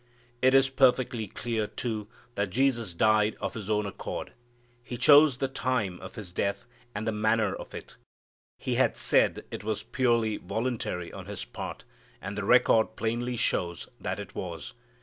It is perfectly clear, too, that Jesus died of His own accord. He chose the time of His death and the manner of it. He had said it was purely voluntary on His part, and the record plainly shows that it was.